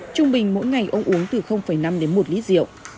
trung bình mỗi ngày ông uống từ năm đến một lít rượu